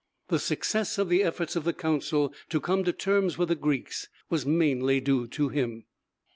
The success of the efforts of the council to come to terms with the Greeks was mainly due to him.